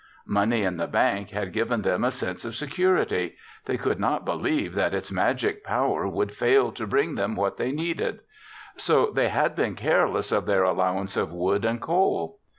Money in the bank had given them a sense of security. They could not believe that its magic power would fail to bring them what they needed. So they had been careless of their allowance of wood and coal.